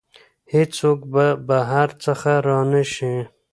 هیڅوک به بهر څخه را نه شي.